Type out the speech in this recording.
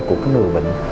của cái người bệnh